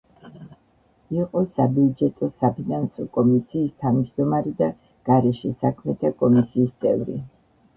იყო საბიუჯეტო-საფინანსო კომისიის თავმჯდომარე და გარეშე საქმეთა კომისიის წევრი.